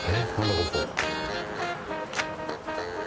ここ。